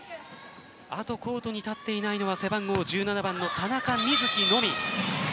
あとコートに立っていないのは背番号１７番の田中瑞稀のみ。